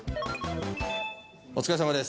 お疲れさまです。